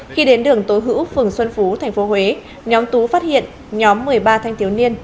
khi đến đường tối hữu phường xuân phú tp huế nhóm tú phát hiện nhóm một mươi ba thanh thiếu niên